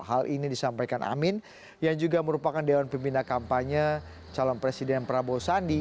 hal ini disampaikan amin yang juga merupakan dewan pembina kampanye calon presiden prabowo sandi